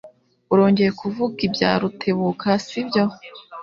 Urongeye kuvuga ibya Rutebuka, sibyo?